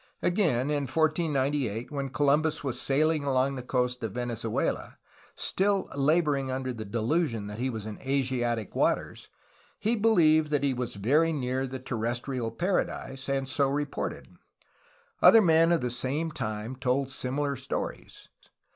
Again, in 1498 when Columbus was sailing along the coast of Venezuela, still laboring under the de lusion that he was in Asiatic waters, he believed that he was very near the Terrestrial Paradise, and so reported. Other men of the same time told similar stories.